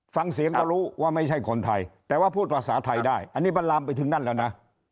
ฟังเสียงก็รู้ว่าไม่ใช่คนไทยแต่ว่าพูดภาษาไทยได้อันนี้มันลามไปถึงนั่นแล้วนะ